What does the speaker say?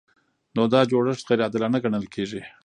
نو دا جوړښت غیر عادلانه ګڼل کیږي.